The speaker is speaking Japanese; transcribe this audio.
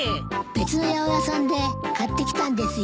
別の八百屋さんで買ってきたんですよ。